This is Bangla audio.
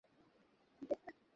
সবার মুখেই ওর প্রশংসা শুনেছি।